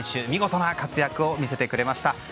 見事な活躍を見せてくれました。